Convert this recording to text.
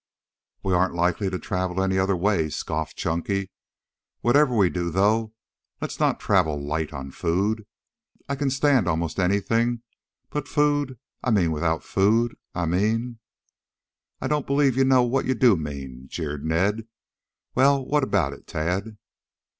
"We aren't likely to travel any other way," scoffed Chunky. "Whatever we do, though, let's not travel light on food. I can stand almost anything but food I mean without food I mean " "I don't believe you know what you do mean," jeered Ned. "Well, what about it, Tad?"